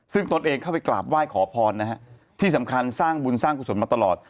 ซึ่งตนเองเข้าไปกราบไหว้ขอพรนะฮะที่สำคัญสร้างบุญสร้างกุศลมาตลอด